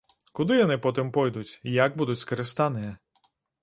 Куды яны потым пойдуць, як будуць скарыстаныя?